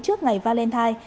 trước ngày valentine